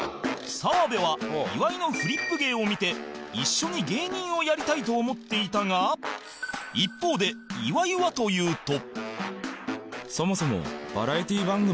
澤部は岩井のフリップ芸を見て一緒に芸人をやりたいと思っていたが一方で岩井はというと